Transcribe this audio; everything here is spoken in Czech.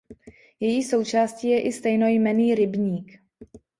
Její součástí je i stejnojmenný rybník.